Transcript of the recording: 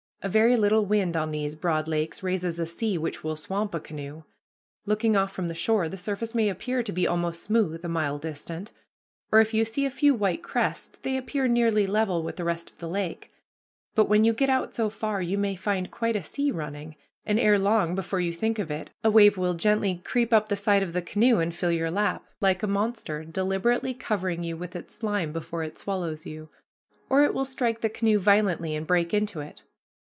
A very little wind on these broad lakes raises a sea which will swamp a canoe. Looking off from the shore, the surface may appear to be almost smooth a mile distant, or if you see a few white crests they appear nearly level with the rest of the lake, but when you get out so far, you may find quite a sea running, and ere long, before you think of it, a wave will gently creep up the side of the canoe and fill your lap, like a monster deliberately covering you with its slime before it swallows you, or it will strike the canoe violently and break into it.